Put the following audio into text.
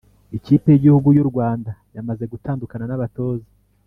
Ikipe yigihugu yurwanda yamaze gutandukana nabatoza